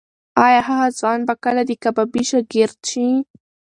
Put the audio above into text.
ایا هغه ځوان به کله د کبابي شاګرد شي؟